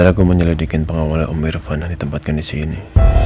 salah gue menyelidikin pengawalnya om irfan yang ditempatkan disini